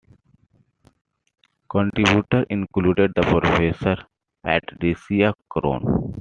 Contributors included Professor Patricia Crone.